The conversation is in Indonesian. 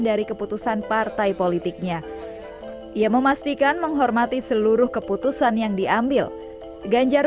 dari keputusan partai politiknya ia memastikan menghormati seluruh keputusan yang diambil ganjar